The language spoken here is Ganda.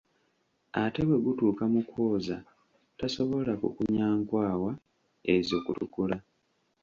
Ate bwe gutuuka mu kwoza tasobola kukunya nkwawa ezo kutukula.